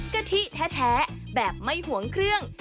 กะทิแท้แบบไม่ห่วงเครื่อง